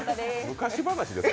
昔話ですか。